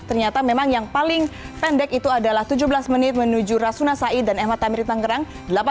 ternyata memang yang paling pendek itu adalah tujuh belas menit menuju rasuna said dan mh tamrin tangerang